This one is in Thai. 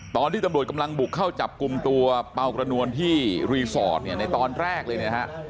ตอนที่ตำรวจกำลังบุกเข้าจับกลุ่มตัวเปล่ากระนวลที่รีสอร์ทเนี่ยในตอนแรกเลยเนี่ยนะฮะ